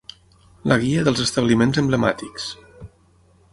La guia dels establiments emblemàtics.